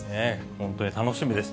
本当に楽しみです。